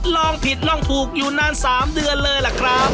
ลองผิดลองถูกอยู่นาน๓เดือนเลยล่ะครับ